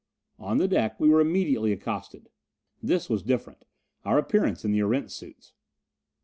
On the deck, we were immediately accosted. This was different our appearance in the Erentz suits!